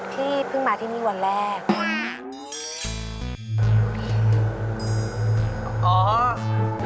ที่เพิ่งมาที่นี่วันแรก